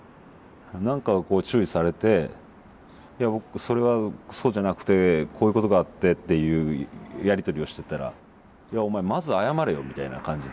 何かこう注意されてそれはそうじゃなくてこういうことがあってっていうやり取りをしてたらいやお前まず謝れよみたいな感じで。